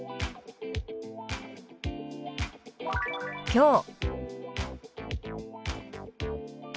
「きょう」。